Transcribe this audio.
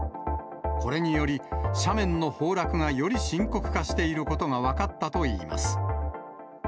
これにより、斜面の崩落がより深刻化していることが分かったといいます。